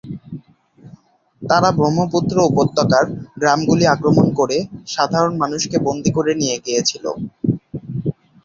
তাঁরা ব্রহ্মপুত্র উপত্যকার গ্রামগুলি আক্রমণ করে সাধারণ মানুষকে বন্দী করে নিয়ে গিয়েছিল।